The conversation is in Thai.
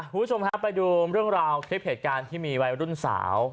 คุณผู้ชมฮะไปดูเรื่องราวคลิปเหตุการณ์ที่มีวัยรุ่นสาว